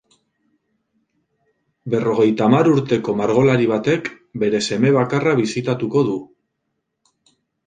Berrogeita hamar urteko margolari batek bere seme bakarra bisitatuko du.